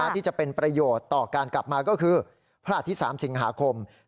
ที่จะเป็นประโยชน์ต่อการกลับมาก็คือพระอาทิตย์๓สิงหาคม